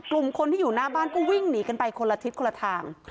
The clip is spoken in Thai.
กลุ่มคนที่อยู่หน้าบ้านก็วิ่งหนีกันไปคนละทิศคนละทาง